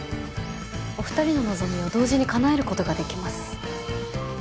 お２人の望みを同時に叶えることができます。